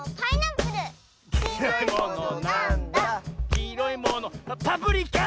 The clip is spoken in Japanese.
「きいろいものパプリカ！」